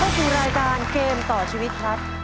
เราก็คือรายการเกมต่อชีวิตครับ